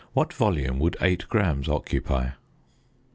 What volume would 8 grams occupy?